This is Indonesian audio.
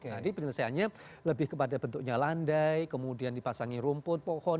jadi penyelesaiannya lebih kepada bentuknya landai kemudian dipasangi rumput pohon